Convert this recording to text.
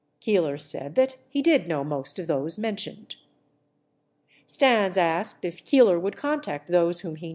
Keeler said that he did know most of those mentioned. Stans asked if Keeler* would contact those whom he.